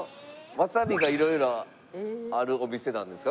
わさびがいろいろあるお店なんですか？